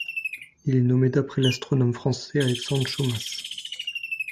Il est nommé d'après l'astronome français Alexandre Schaumasse.